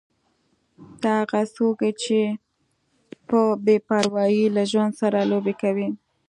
ته هغه څوک یې چې په بې پروايي له ژوند سره لوبې کوې.